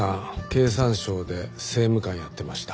経産省で政務官やってました。